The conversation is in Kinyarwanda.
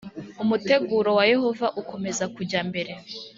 umuteguro wa yehova ukomeza kujya mbere